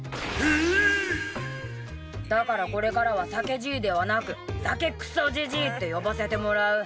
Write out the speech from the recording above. ええ⁉だからこれからは酒爺ではなく酒クソじじいって呼ばせてもらう。